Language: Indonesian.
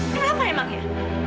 kenapa emang ya